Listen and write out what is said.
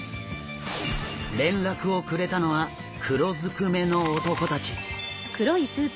連絡をくれたのは黒ずくめの男たち。